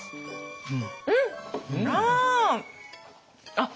あっ！